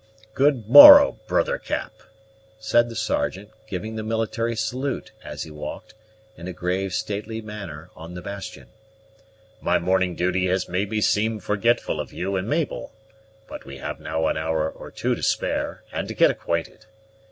"Good morrow, brother Cap," said the Sergeant giving the military salute, as he walked, in a grave, stately manner, on the bastion. "My morning duty has made me seem forgetful of you and Mabel; but we have now an hour or two to spare, and to get acquainted.